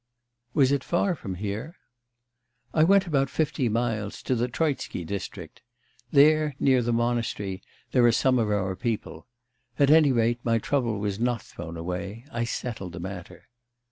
'Was it far from here?' 'I went about fifty miles, to the Troitsky district. There, near the monastery, there are some of our people. At any rate, my trouble was not thrown away; I settled the matter.